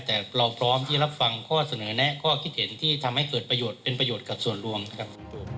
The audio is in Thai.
แต่เราพร้อมที่รับฟังข้อเสนอแนะข้อคิดเห็นที่ทำให้เกิดประโยชน์เป็นประโยชน์กับส่วนรวมนะครับ